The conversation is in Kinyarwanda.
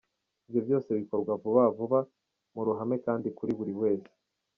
Ibyo byose bikorwa vuba vuba, mu ruhame kandi kuri buri wese.